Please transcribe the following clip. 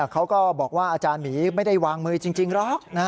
เขาก็บอกว่าอาจารย์หมีไม่ได้วางมือจริงหรอก